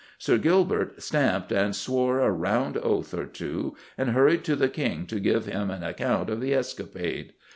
Sir Gilbert stamped and swore a round oath or two and hurried to the King to give him an account of the escapade.